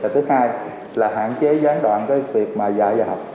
thứ hai là hạn chế gián đoạn việc dạy giờ học